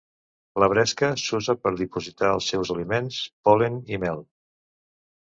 La bresca s'usa per dipositar els seus aliments: pol·len i mel.